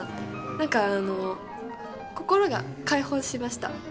なんかあの心が解放しました。